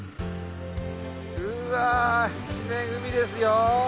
うわ一面海ですよ。